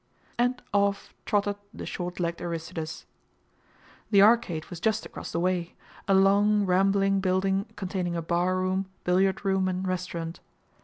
And off trotted the short legged Aristides. The Arcade was just across the way a long, rambling building containing a barroom, billiard room, and restaurant.